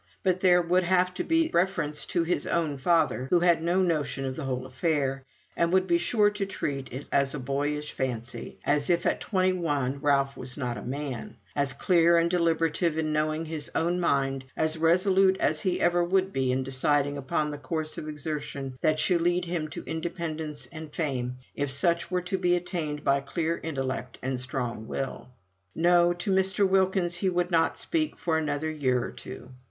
But there would have to be reference to his own father, who had no notion of the whole affair, and would be sure to treat it as a boyish fancy; as if at twenty one Ralph was not a man, as clear and deliberative in knowing his own mind, as resolute as he ever would be in deciding upon the course of exertion that should lead him to independence and fame, if such were to be attained by clear intellect and a strong will. No; to Mr. Wilkins he would not speak for another year or two.